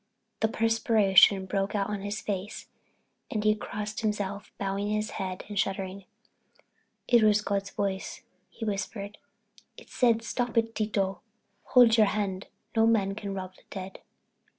The perspiration broke out on his face and he crossed himself, bowing his head and shuddering. "It was God's voice," he whispered. "It said: 'Stop, Tito; hold your hand. No man can rob the dead.'"